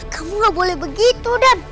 kamu gak boleh begitu dan